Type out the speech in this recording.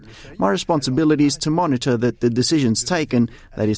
kemampuan saya adalah untuk memonitori keputusan yang diambil